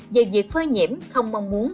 về việc phơi nhiễm không mong muốn